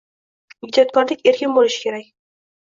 Ijodkorlik erkin bo'lishi kerak